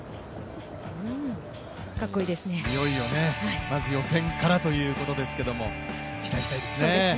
いよいよ、まず予選からということですけれども期待したいですね。